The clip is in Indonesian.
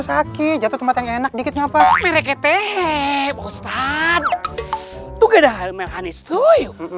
sakit jatuh tempat yang enak dikit ngapa mereketehe pak ustadz tuh gada mekanis tuh